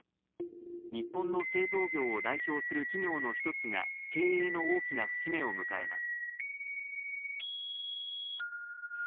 日本の製造業を代表する企業の１つが経営の大きな節目を迎えます。